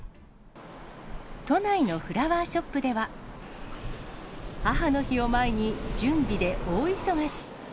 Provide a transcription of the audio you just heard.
都内のフラワーショップでは、母の日を前に、準備で大忙し。